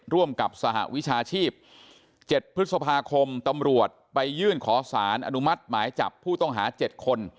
ร่วมกับสหวิชาชีพ๗พฤษภาคมตำรวจไปยื่นขอสารอนุมัติหมายจับผู้ต้องหา๗คน